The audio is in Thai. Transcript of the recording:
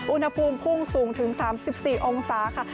อุณหภูมิพุ่งสูงถึง๓๔องศาค่ะ